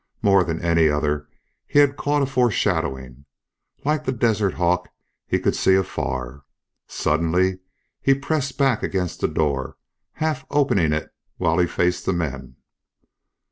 More than any other he had caught a foreshadowing. Like the desert hawk he could see afar. Suddenly he pressed back against the door, half opening it while he faced the men.